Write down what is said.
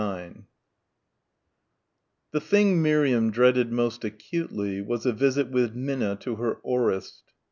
9 The thing Miriam dreaded most acutely was a visit with Minna to her aurist.